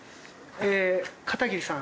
片桐さん？